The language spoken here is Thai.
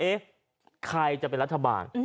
ใครจะเป็นรัฐบาล